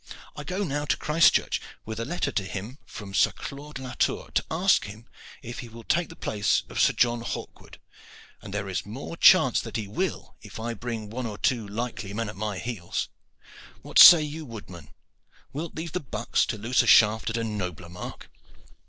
I go now to Christchurch with a letter to him from Sir Claude Latour to ask him if he will take the place of Sir John Hawkwood; and there is the more chance that he will if I bring one or two likely men at my heels. What say you, woodman: wilt leave the bucks to loose a shaft at a nobler mark?"